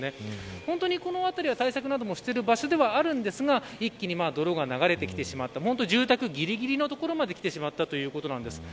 本当に、この辺りは対策などしている場所ではあるんですが一気に泥が流れてきてしまった本当に住宅ぎりぎりの所まで来てしまった感じです。